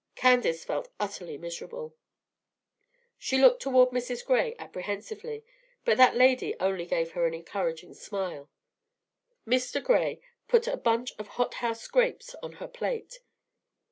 Candace felt utterly miserable. She looked toward Mrs. Gray apprehensively, but that lady only gave her an encouraging smile. Mr. Gray put a bunch of hot house grapes on her plate.